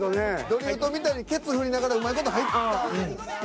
ドリフトみたいにケツ振りながらうまい事入ったんですけど。